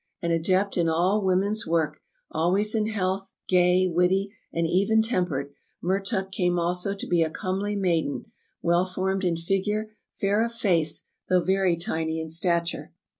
An adept in all woman's work, always in health, gay, witty and even tempered, Mertuk came also to be a comely maiden — well formed in figure, fair of face, though very tiny in stature.